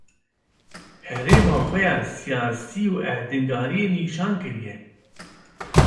herêma xwe ya siyasî û erdnigariyê nişan kiriye.